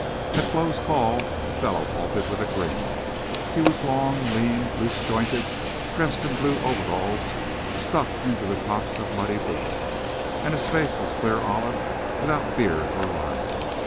At Flo's call the fellow halted with a grin. He was long, lean, loose jointed, dressed in blue overalls stuck into the tops of muddy boots, and his face was clear olive without beard or line.